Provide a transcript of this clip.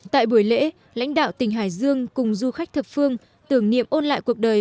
tại buổi lễ lãnh đạo tỉnh hải dương cùng du khách thập phương tưởng niệm ôn lại cuộc đời